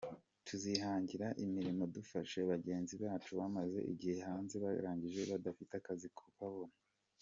Tuzihangira imirimo dufashe bagenzi bacu bamaze igihe hanze barangije badafite akazi kukabona.